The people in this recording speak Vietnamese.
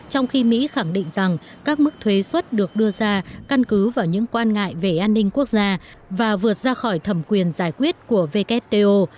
trong khi mỹ khẳng định rằng các mức thuế xuất được đưa ra căn cứ vào những quan ngại về an ninh quốc gia và vượt ra khỏi thẩm quyền giải quyết của wto